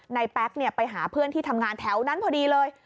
แป๊กไปหาเพื่อนที่ทำงานแถวนั้นพอดีเลย